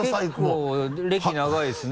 結構歴長いですね。